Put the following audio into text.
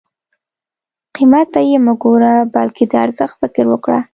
قیمت ته یې مه ګوره بلکې د ارزښت فکر وکړه.